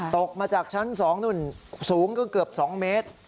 ตกมาจากชั้น๒นู่นสูงก็เกือบ๒เมตร